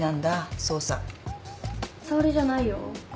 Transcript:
沙織じゃないよ。